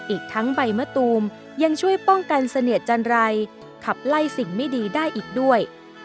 อีกทั้งใบมะตูมยังช่วยป้องกันเสนียดจันรัยขับไล่สิ่งไม่ดีได้อีกด้วย